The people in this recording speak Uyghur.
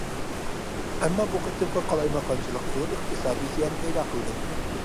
ئەمما، بۇ قېتىمقى قالايمىقانچىلىق زور ئىقتىسادىي زىيان پەيدا قىلدى.